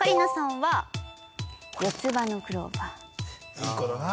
いい子だな。